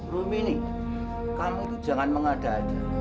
rumini kamu itu jangan mengadah dia